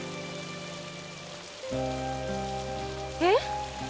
えっ？